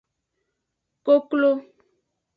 Koklo.